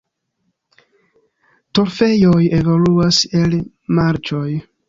Torfejoj evoluas el marĉoj.